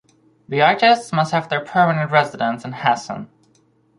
The artists must have their permanent residence in Hessen.